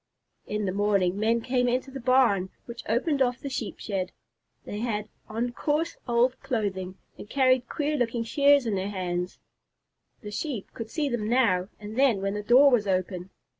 In the morning, men came into the barn, which opened off the Sheep shed. They had on coarse, old clothing, and carried queer looking shears in their hands. The Sheep could see them now and then when the door was open.